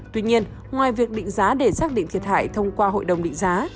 tuy nhiên ngoài việc định giá để xác định thiệt hại thông qua hội đồng định giá